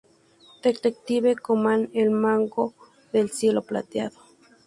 Detective Conan: El mago del cielo plateado